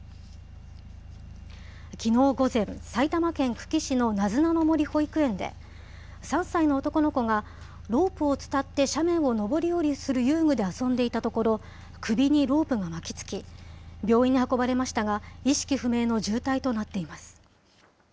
きのう午前、埼玉県久喜市のなずなの森保育園で、３歳の男の子がロープを伝って斜面を上り下りする遊具で遊んでいたところ、首にロープが巻きつき、病院に運ばれましたが、意識不明の重体となっています。